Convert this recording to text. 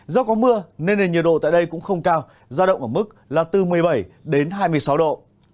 do có mưa nên nền nhiệt độ tại đây cũng không cao ra động ở mức là từ một mươi bảy đến hai mươi sáu độ